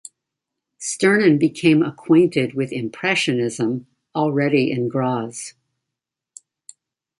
Sternen became acquainted with Impressionism already in Graz.